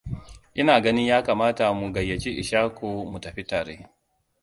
Ina ganin ya kamata mu gayyaci Ishaku mu tafi tare.